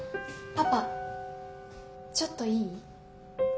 パパちょっといい？